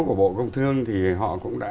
của bộ công thương thì họ cũng đã